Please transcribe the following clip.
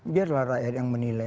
biarlah rakyat yang menilai